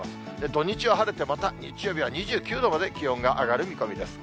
土日は晴れて、また日曜日は２９度まで気温が上がる見込みです。